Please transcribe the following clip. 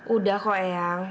udah kok eyang